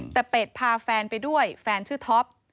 แต่เป็ดพาแฟนไปด้วยแฟนชื่อท็อป